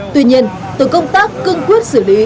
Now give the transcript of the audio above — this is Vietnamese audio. tuy nhiên tổ công tác cưng quyết xử lý theo đúng quy định